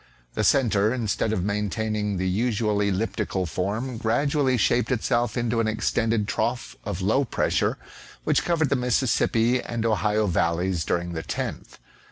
The centre instead of maintaining the usual elliptical form, gradually shaped itself into an extended trough of low pressure, which covered the Mississippi and Ohio valleys during the 10th.